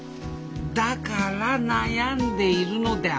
だから悩んでいるのであります